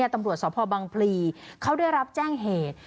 ตำรวจสพบังพลีเขาได้รับแจ้งเหตุ